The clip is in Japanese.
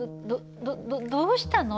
どどどうしたの？